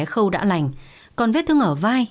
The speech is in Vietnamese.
khâu đã lành còn vết thương ở vai